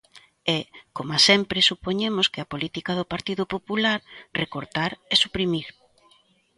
E, coma sempre, supoñemos que a política do Partido Popular: recortar e suprimir.